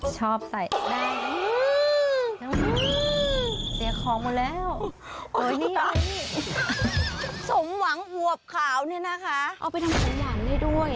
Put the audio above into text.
เสียคอหมดแล้วอยู่ในนี่นี่สมวังหัวขาวนี่นะคะเอาไปทำขนมหวานได้ด้วย